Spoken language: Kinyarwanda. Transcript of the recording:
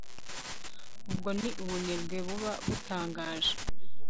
ubwo ni ubunebwe buba butangaje